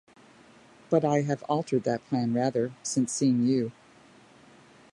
But I have altered that plan rather since seeing you.